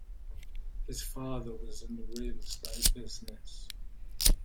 His father was in the real estate business.